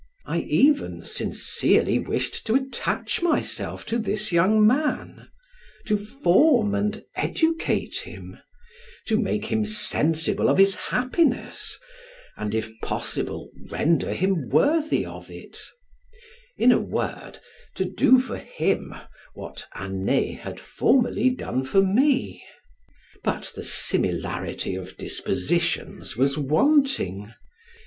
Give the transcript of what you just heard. I even sincerely wished to attach myself to this young man; to form and educate him; to make him sensible of his happiness, and, if possible, render him worthy of it; in a word, to do for him what Anet had formerly done for me. But the similarity of dispositions was wanting.